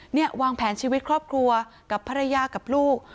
เนี่ยวางแผนชีวิตครอบครัวกับภรรยากับลูก